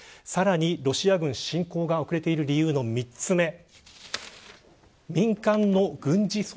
さらに、ロシア軍の侵攻が遅れている理由の３つ目。